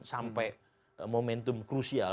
sampai momentum kembali